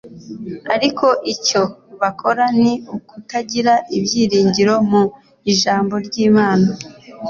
ariko icyo bakora ni ukutagira ibyiringiro mu Ijambo ry'Imana.